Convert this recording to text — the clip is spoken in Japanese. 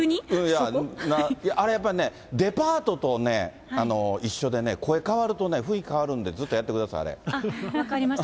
あれやっぱりね、デパートとね、一緒でね、声変わるとね、雰囲気変わるんで、ずっとやってく分かりました。